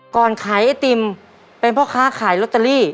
ก่อนขายไอติมเป็นพ่อค้าขายลอตเตอรี่